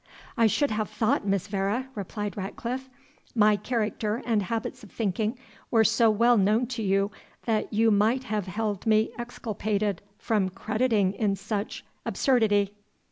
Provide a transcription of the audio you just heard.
"I should have thought, Miss Vere," replied Ratcliffe, "my character and habits of thinking were so well known to you, that you might have held me exculpated from crediting in such absurdity."